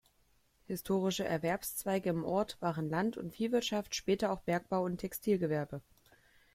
Historische Erwerbszweige im Ort waren Land- und Viehwirtschaft, später auch Bergbau und Textilgewerbe.